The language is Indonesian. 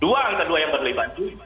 dua angka dua yang berlebihan